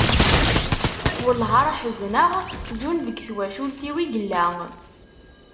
wallah ar ḥezneɣ, zun deg twacult-iw i yella.